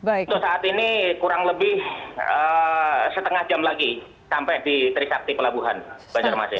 untuk saat ini kurang lebih setengah jam lagi sampai di trisakti pelabuhan banjarmasin